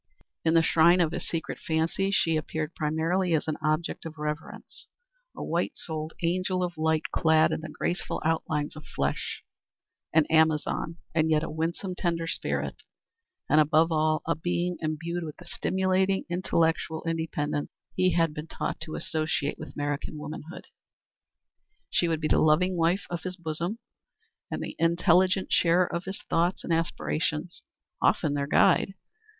In the shrine of his secret fancy she appeared primarily as an object of reverence, a white souled angel of light clad in the graceful outlines of flesh, an Amazon and yet a winsome, tender spirit, and above all a being imbued with the stimulating intellectual independence he had been taught to associate with American womanhood. She would be the loving wife of his bosom and the intelligent sharer of his thoughts and aspirations often their guide.